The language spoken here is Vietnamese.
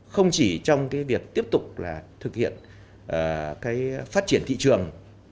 không chỉ trong việc tiếp tục thực hiện phát triển thị trường